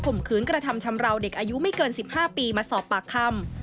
มขืนกระทำชำราวเด็กอายุไม่เกิน๑๕ปีมาสอบปากคำ